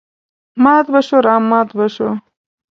مات به شوو رامات به شوو.